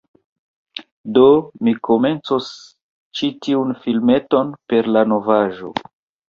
Do mi komencos ĉi tiun filmeton per la novaĵo.